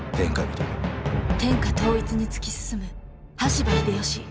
天下統一に突き進む羽柴秀吉。